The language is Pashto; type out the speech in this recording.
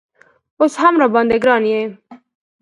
اوس هم راباندې ګران یې